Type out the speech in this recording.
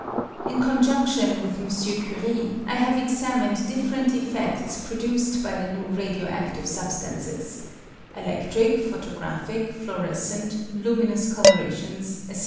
In conjundion with M. Curie, I have examined different effects produced by the new radio adive substances (eledric, photographic, fluorescent, luminous, colourations, &c.).